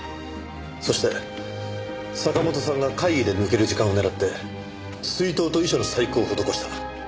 そして坂本さんが会議で抜ける時間を狙って水筒と遺書の細工を施した。